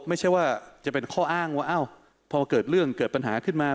ไม่ใช่ว่าจะเป็นข้ออ้างว่าพอเกิดเรื่องเกิดปัญหาขึ้นมา